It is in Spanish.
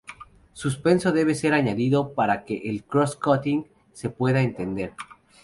Suspenso debe ser añadido para que el cross-cutting se pueda entender.